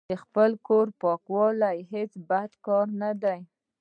د خپل کور پاکول هیڅ بد کار نه ده.